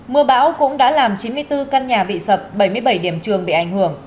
mưa bão cũng đã làm chín mươi bốn căn nhà bị sập bảy mươi bảy điểm trường bị ảnh hưởng